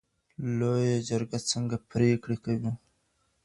لویه جرګه څنګه پرېکړي کوي؟